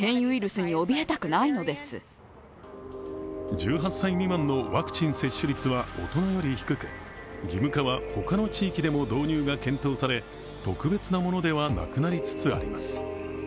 １８歳未満のワクチン接種率は大人より低く義務化は他の地域でも導入が検討され、特別なものではなくなりつつあります。